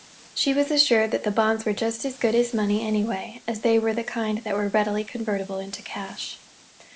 She was assured that the bonds were just as good as money, anyway, as they were the kind that were readily convertible into cash.